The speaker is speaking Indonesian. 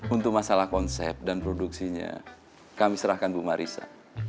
untuk masalah konsep dan produksinya kami serahkan bu marisa